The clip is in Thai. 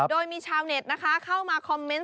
โดยมีชาวเน็ตนะคะเข้ามาคอมเมนต์